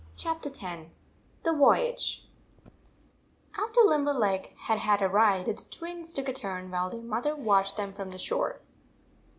X THE VOYAGE X : THE VOYAGE AFTER Limberleg had had a ride, the Twins took a turn, while their mother watched them from the shore.